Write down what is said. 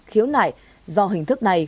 khiếu nải do hình thức này